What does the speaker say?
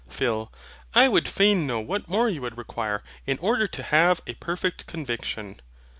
PHIL. I would fain know what more you would require in order to a perfect conviction.